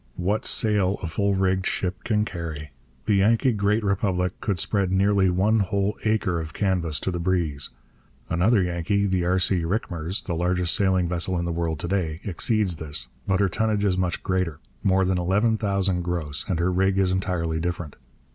What sail a full rigged ship can carry! The Yankee Great Republic could spread nearly one whole acre of canvas to the breeze. Another Yankee, the R. C. Rickmers, the largest sailing vessel in the world to day, exceeds this. But her tonnage is much greater, more than eleven thousand gross, and her rig is entirely different.